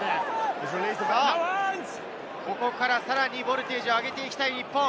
ここからさらにボルテージを上げていきたい日本。